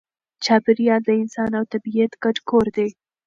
چاپېریال د انسان او طبیعت ګډ کور دی.